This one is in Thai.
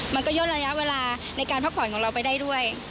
มันก็ย่นระยะเวลาในการพักผ่อนของเราไปได้ด้วย